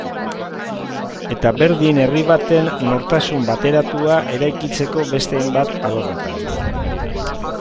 Eta berdin herri baten nortasun bateratua eraikitzeko beste hainbat alorretan.